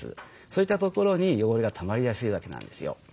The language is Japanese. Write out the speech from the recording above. そういった所に汚れがたまりやすいわけなんですよ。